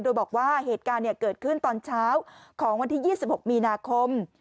โดยบอกว่าเหตุการณ์เกิดขึ้นตอนเช้าของวันที่๒๖มีนาคม